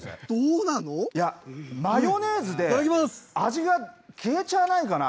マヨネーズで味が消えちゃわないかな。